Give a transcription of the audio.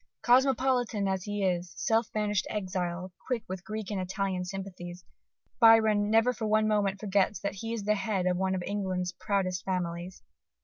Cosmopolitan as he is, self banished exile, quick with Greek and Italian sympathies, Byron never for one moment forgets that he is head of one of England's proudest families.